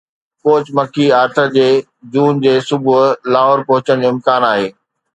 coach Mickey Arthur جي جون جي صبح لاهور پهچڻ جو امڪان آهي